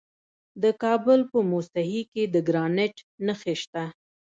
د کابل په موسهي کې د ګرانیټ نښې شته.